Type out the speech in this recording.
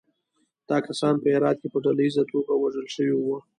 دا کسان په هرات کې په ډلییزه توګه وژل شوي وو.